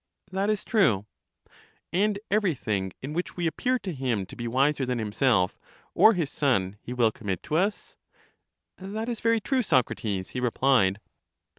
That is true. And everything in which we appear to him to be wiser than himself or his son he will commit to us ? That is very true, Socrates, he replied.